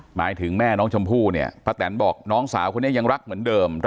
หมายถึงแม่น้องชมพู่เนี่ยป้าแตนบอกน้องสาวคนนี้ยังรักเหมือนเดิม